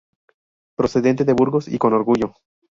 Procedente de Burgos, y con orgullo.